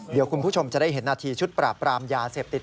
เดี๋ยวคุณผู้ชมจะได้เห็นนาทีชุดปราบปรามยาเสพติด